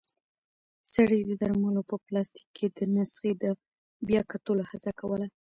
سړی د درملو په پلاستیک کې د نسخې د بیا کتلو هڅه کوله.